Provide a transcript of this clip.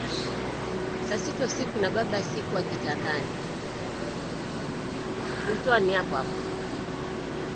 Saa sita usiku na bado sikuwa kitandani